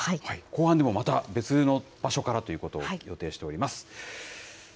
後半でもまた別の場所からということを予定しております。